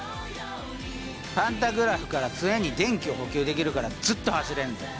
パンタグラフから常に電気を補給できるからずっと走れんねん！